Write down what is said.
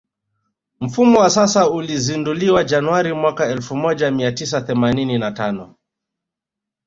Mfumo wa sasa ulizinduliwa Januari mwaka elfu moja mia tisa themanini na tano